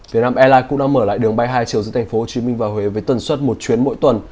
việt nam airline cũng đang mở lại đường bay hai chiều giữa thành phố hồ chí minh và huế với tần suốt một chuyến mỗi tuần